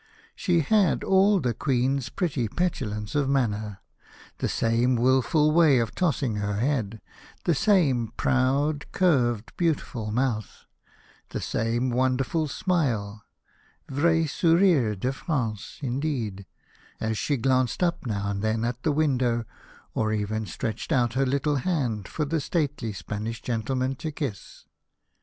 She had all the Queen's pretty petulance of manner, the same wilful way of tossing her head, the same proud curved beautiful mouth, the same wonderful smile — vrai sourire de France indeed — as she glanced up now and then at the window, or stretched out her little hand for the stately Spanish gentlemen to kiss.